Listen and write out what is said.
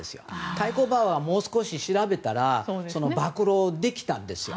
対抗馬がもう少し調べたら暴露できたんですよ。